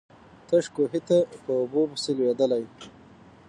تش کوهي ته په اوبو پسي لوېدلی.